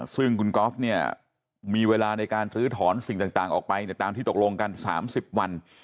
ซึ่งคุณก๊อฟเนี่ยมีเวลาในการลื้อถอนสิ่งต่างออกไปตามที่ตกลงกัน๓๐วัน